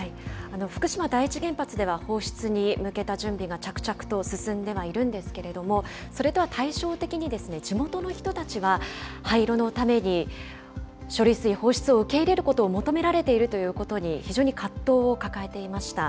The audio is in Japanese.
福島第一原発では、放出に向けた準備が着々と進んではいるんですけれども、それとは対照的に、地元の人たちは、廃炉のために処理水放出を受け入れることを求められているということに、非常に葛藤を抱えていました。